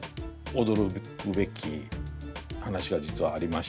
驚くべき話が実はありまして。